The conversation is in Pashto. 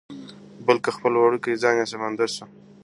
• بلکه خپل وړوکی ځان یې سمندر سو -